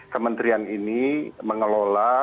kementerian ini mengelola